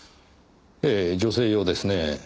ええ女性用ですね。